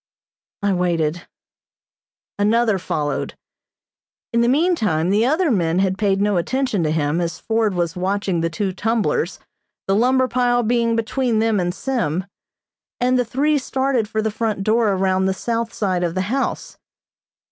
I waited. Another followed. In the meantime the other men had paid no attention to him, as Ford was watching the two tumblers, the lumber pile being between them and Sim; and the three started for the front door around the south side of the house.